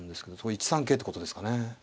１三桂ってことですかね。